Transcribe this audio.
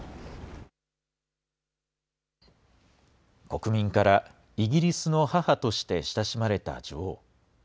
国民から、イギリスの母として親しまれた女王。